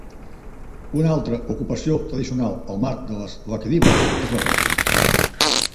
Una altra ocupació tradicional al mar de les Laquedives és la pesca.